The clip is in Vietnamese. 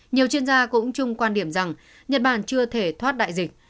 nhiều chuyên gia cũng chung quan điểm rằng nhật bản chưa thể thoát đại dịch